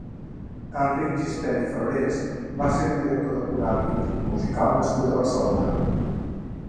Enric Gispert i Fabrés va ser un director de coral i crític musical nascut a Barcelona.